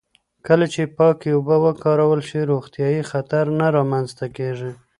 کله چې پاکې اوبه وکارول شي، روغتیايي خطر نه رامنځته کېږي.